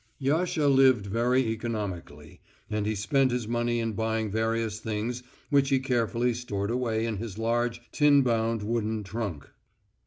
Yasha lived very economically, and he spent his money in buying various things which he carefully stored away in his large tin bound wooden trunk.